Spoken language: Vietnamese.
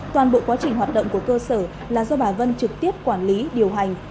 toàn bộ quá trình hoạt động của cơ sở là do bà vân trực tiếp quản lý điều hành